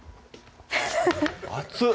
熱っ！